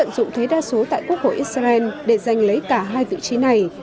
dụng thế đa số tại quốc hội israel để giành lấy cả hai vị trí này